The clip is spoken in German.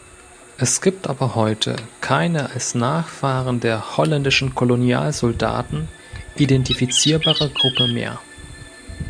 Es gibt aber heute keine als Nachfahren der holländischen Kolonialsoldaten identifizierbare Gruppe mehr.